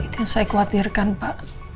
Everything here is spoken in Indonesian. itu yang saya khawatirkan pak